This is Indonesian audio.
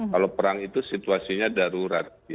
kalau perang itu situasinya darurat